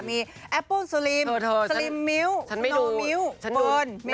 มีแอปเปิ้ลสลิมสลิมมิลล์สโนมิลล์เฟิร์นเมจิกสตรีน